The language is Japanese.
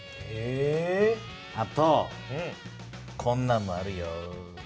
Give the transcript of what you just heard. あとこんなんもあるよ。